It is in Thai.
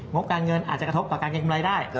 งบการเงินอาจจะกระทบต่อการเกณฑ์กำไรได้